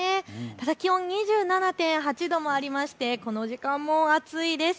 ただ気温２７．８度もありましてこの時間も暑いです。